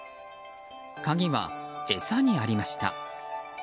鍵は、餌にありました。